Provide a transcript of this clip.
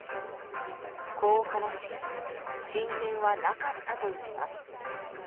こう話し進展はなかったといいます。